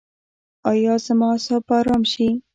ایا زما اعصاب به ارام شي؟